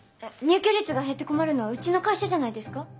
入居率が減って困るのはうちの会社じゃないですか？